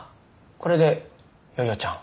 これで夜々ちゃん。